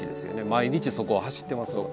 毎日そこを走ってますので。